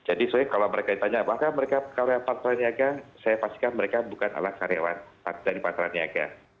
jadi soalnya kalau mereka ditanya apakah mereka kalau yang patraniaga saya pastikan mereka bukan ala karyawan dari patraniaga